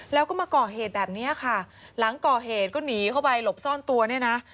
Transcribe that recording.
แล้วก็มาก่อเหตุแบบนี้ค่ะหลังก่อเหตุก็หนีเข้าไปหลบซ่อนตัวเนี่ยนะ